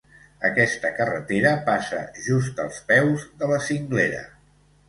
Aquesta carretera passa just als peus de la cinglera.